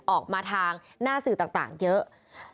ออกมาทางหน้าสื่อต่างเยอะ